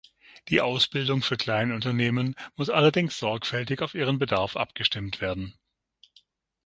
Die Ausbildung für Kleinunternehmen muss allerdings sorgfältig auf ihren Bedarf abgestimmt werden.